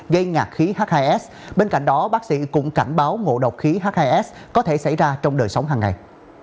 gây ngạc khí h hai s bên cạnh đó bác sĩ cũng cảnh báo ngộ độc khí h hai s có thể xảy ra trong đời sống hàng ngày